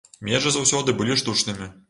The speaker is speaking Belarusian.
Межы заўсёды былі штучнымі.